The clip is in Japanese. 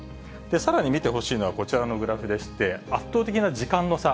さらに見てほしいのは、こちらのグラフでして、圧倒的な時間の差。